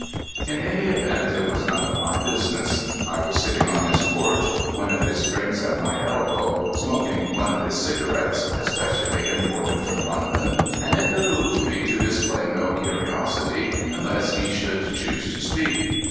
In any event it was none of my business. I was sitting on his porch, one of his drinks at my elbow, smoking one of his cigarettes especially imported from London, and it behooved me to display no curiosity unless he should choose to speak.